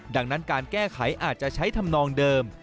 ดังนั้นการแก้ไขอาจจะใช้ธรรมนองเดิม